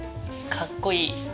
かっこいい。